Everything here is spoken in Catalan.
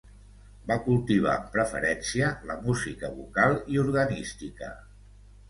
Va cultivar amb preferència la música vocal i organística.